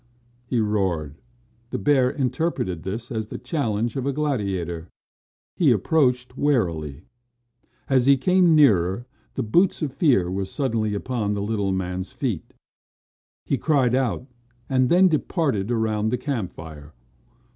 he roared. The bear interpreted this as the challenge of a gladiator. He approached warily. As he came near, the boots of fear were suddenly upon the little man's feet. He cried out and then darted around the campfire.